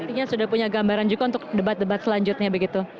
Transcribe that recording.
artinya sudah punya gambaran juga untuk debat debat selanjutnya begitu